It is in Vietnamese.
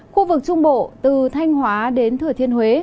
khu vực trung bộ từ thanh hóa đến thừa thiên huế